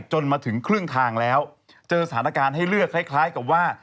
จนมาถึงครึ่งทางแล้วเจอสถานการณ์ให้เลือกคล้ายกับว่า